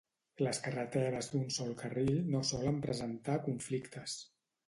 Les carreteres d'un sol carril no solen presentar conflictes.